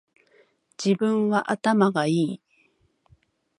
自分は頭がいい